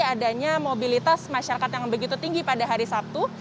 adanya mobilitas masyarakat yang begitu tinggi pada hari sabtu